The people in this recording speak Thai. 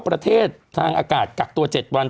ประเทศทางอากาศกักตัว๗วัน